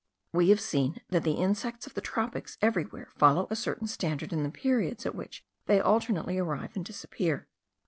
We have seen that the insects of the tropics everywhere follow a certain standard in the periods at which they alternately arrive and disappear.